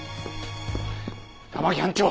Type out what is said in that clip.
玉城班長！